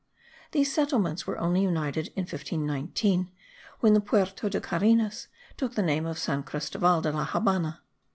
These settlements were only united in 1519 when the Puerto de Carenas took the name of San Cristoval de la Habana.